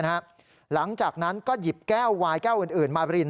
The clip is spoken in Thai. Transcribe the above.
หลังจากนั้นก็หยิบแก้ววายแก้วอื่นมาริน